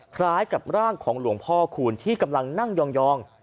คล้ายกับร่างของหลวงพ่อคูณที่กำลังนั่งยอง